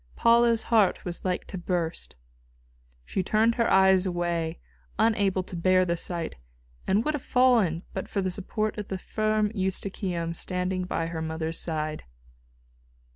Paula's heart was like to burst. She turned her eyes away, unable to bear the sight, and would have fallen but for the support of the firm Eustochium standing by her mother's side.